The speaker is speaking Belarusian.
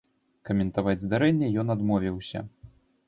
Каментаваць здарэнне ён адмовіўся.